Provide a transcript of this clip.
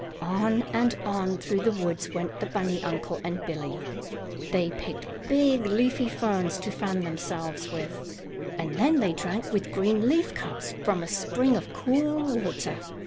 On and on through the woods went the bunny uncle and Billie. They picked big, leafy ferns to fan themselves with, and then they drank with green leaf cups from a spring of cool water.